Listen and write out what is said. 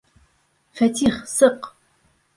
Фәтих, сыҡ!